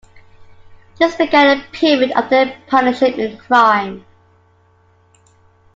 This began a period of their partnership in crime.